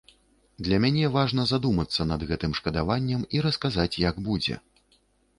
Для мяне важна задумацца над гэтым шкадаваннем і расказаць, як будзе.